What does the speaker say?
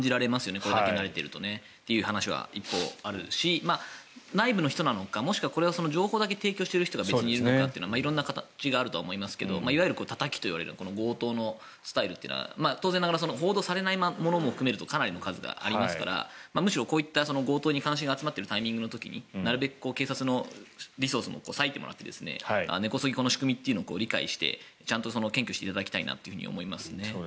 これだけ慣れているとねという話は一方であるし内部の人なのかもしくは情報だけ提供している人が別にいるのかというのはありますがいわゆるたたきという手法が当然ながら報道されないものも含めるとかなりの数がありますからむしろこういった強盗に関心が集まっているタイミングの時になるべく警察のリソースも割いてもらって根こそぎこの仕組みというのを理解してちゃんと検挙していただきたいなと思いますね。